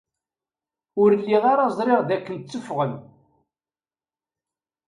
Ur lliɣ ara ẓriɣ dakken tteffɣen.